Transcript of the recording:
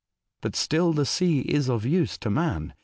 But still the sea is of use to man.